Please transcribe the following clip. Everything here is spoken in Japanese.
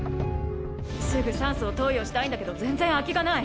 すぐ酸素を投与したいんだけど全然空きがない。